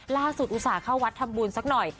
ล่าสุดอุสาห์เข้าวัดทำบูรณ์สักหน่อย